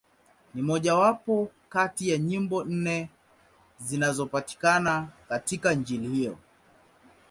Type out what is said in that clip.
Ni mmojawapo kati ya nyimbo nne zinazopatikana katika Injili hiyo.